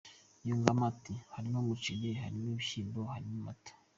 Yungamo ati “harimo umuceri, harimo ibishyimbo, harimo amata.